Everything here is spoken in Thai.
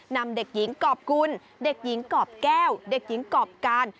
นำเด็กหญิงกรอบกุลเด็กหญิงกรอบแก้วเด็กหญิงกรอบการ